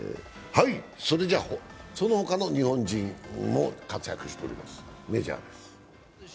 その他の日本人も活躍しております、メジャーです。